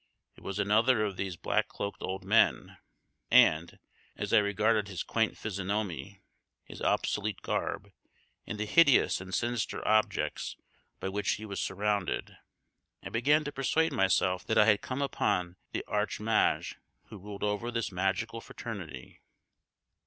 It was another of these black cloaked old men, and, as I regarded his quaint physiognomy, his obsolete garb, and the hideous and sinister objects by which he was surrounded, I began to persuade myself that I had come upon the arch mage who ruled over this magical fraternity.